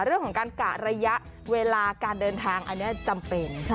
เรื่องของการกะระยะเวลาการเดินทางอันนี้จำเป็น